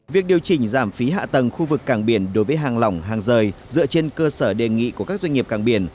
việc điều chỉnh giảm phí hạ tầng khu vực cảng biển đối với hàng lỏng hàng rời dựa trên cơ sở đề nghị của các doanh nghiệp càng biển